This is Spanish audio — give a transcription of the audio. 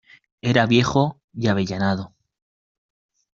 era viejo y avellanado: